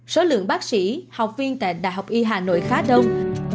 số lượng bác sĩ học viên tại đại học y hà nội khá đông